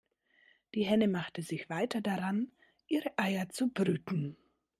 Die Henne machte sich weiter daran, ihre Eier zu brüten.